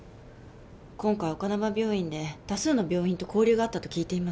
今回丘珠病院で多数の病院と交流があったと聞いています。